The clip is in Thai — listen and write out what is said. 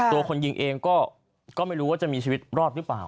ตัวคนยิงเองก็ไม่รู้ว่าจะมีชีวิตรอดหรือเปล่า